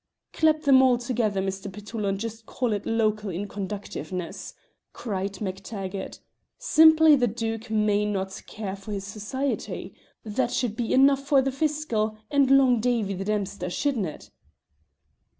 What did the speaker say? "Clap them all together, Mr. Petullo, and just call it local inconduciveness," cried MacTaggart. "Simply the Duke may not care for his society. That should be enough for the Fiscal and Long Davie the dempster, shouldn't it?"